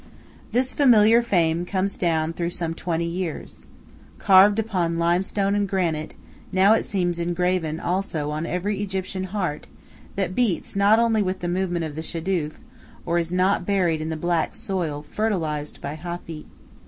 This familiar fame comes down through some twenty years. Carved upon limestone and granite, now it seems engraven also on every Egyptian heart that beats not only with the movement of shadoof, or is not buried in the black soil fertilized by Hapi.